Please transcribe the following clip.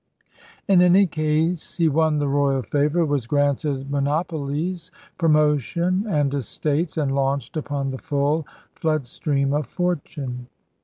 In any 208 ELIZABETHAN SEA DOGS case he won the royal favor, was granted monopo Hes, promotion, and estates, and launched upon the full flood stream of fortune.